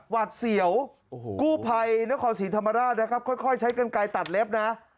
วัดเสี่ยวกู้ไพรเนื้อคอสีธรรมดานะครับค่อยใช้กรรไกรตัดเล็บนะ